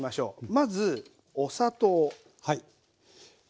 まずお砂糖。